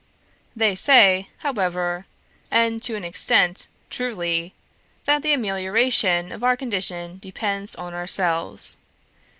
They say, however and, to an extent, truly that the amelioration of our condition depends on ourselves.